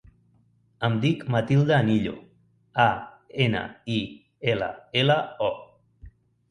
Em dic Matilda Anillo: a, ena, i, ela, ela, o.